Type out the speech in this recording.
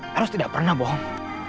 heros tidak pernah bohong